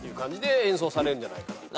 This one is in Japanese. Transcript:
演奏されるんじゃないかな。